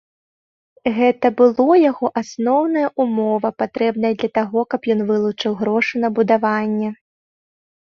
Гэта было яго асноўная ўмова, патрэбная для таго, каб ён вылучыў грошы на будаванне.